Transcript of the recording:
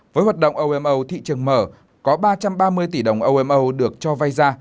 với hoạt động omo thị trường mở có ba trăm ba mươi tỷ đồng omo được cho vay ra